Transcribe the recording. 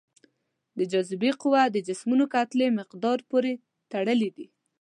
د جاذبې قوه د جسمونو کتلې مقدار پورې تړلې ده.